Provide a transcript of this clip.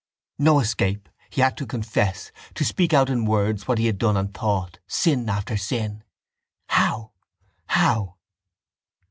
No escape. He had to confess, to speak out in words what he had done and thought, sin after sin. How? How?